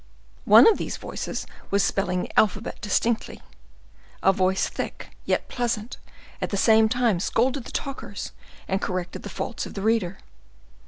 One of these voices was spelling the alphabet distinctly. A voice thick, yet pleasant, at the same time scolded the talkers and corrected the faults of the reader.